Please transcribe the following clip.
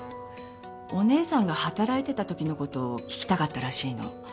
お姉さんが働いてたときのこと聞きたかったらしいの。